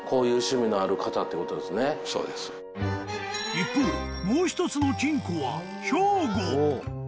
［一方もう一つの金庫は］